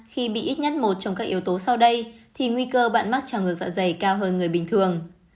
khi bị ít nhất một trong các yếu tố sau đây thì nguy cơ bạn mắc trào ngược dạ dày cao hơn người bình thường